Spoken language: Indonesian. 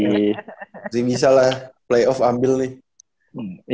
ini bisa lah playoff ambil nih